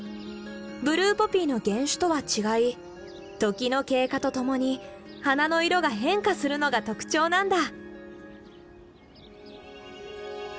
ブルーポピーの原種とは違い時の経過とともに花の色が変化するのが特徴なんだ。